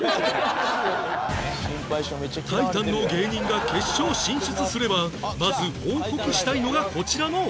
タイタンの芸人が決勝進出すればまず報告したいのがこちらのお二人